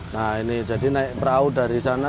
nah ini jadi naik perahu dari sana